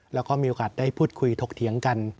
แล้วก็มีโอกาสได้พูดคุยถกเถียงกัน